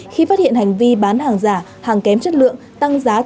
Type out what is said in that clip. khi phát hiện hành vi bán hàng giả hàng kém chất lượng